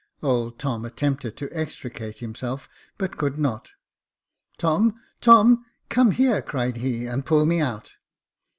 Old Tom attempted to extricate himself, but could not. '* Tom, Tom, come here," cried he, " and pull me out."